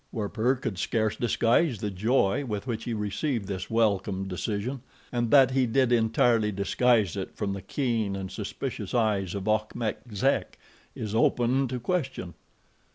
Werper could scarce disguise the joy with which he received this welcome decision. And that he did entirely disguise it from the keen and suspicious eyes of Achmet Zek is open to question.